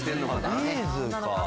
ビーズか。